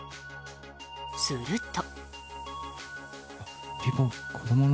すると。